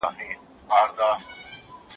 د کورنۍ ونډه څه ده؟